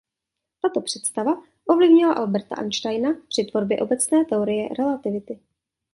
Tato představa ovlivnila Alberta Einsteina při tvorbě obecné teorie relativity.